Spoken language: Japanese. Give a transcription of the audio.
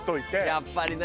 やっぱりな。